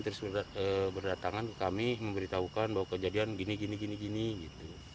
terus berdatangan kami memberitahukan bahwa kejadian gini gini gini gini